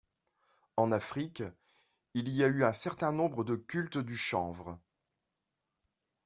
En Afrique, il y a eu un certain nombre de cultes du chanvre.